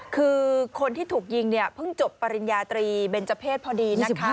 คือคนที่ถูกยิงเนี่ยเพิ่งจบปริญญาตรีเบนเจอร์เพศพอดีนะคะ